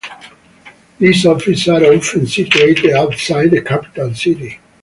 These offices are often situated outside the capital city.